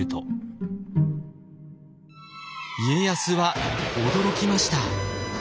家康は驚きました。